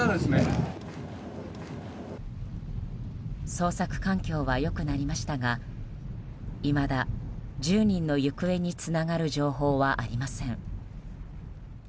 捜索環境は良くなりましたがいまだ１０人の行方につながる情報はありません。